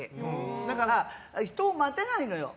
だから、人を待てないのよ。